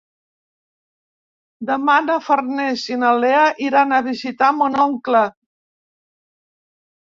Demà na Farners i na Lea iran a visitar mon oncle.